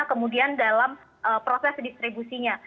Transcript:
kemudian dalam proses distribusinya